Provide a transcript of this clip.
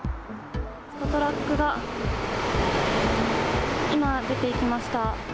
トラックが今、出ていきました。